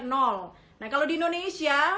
nah kalau di indonesia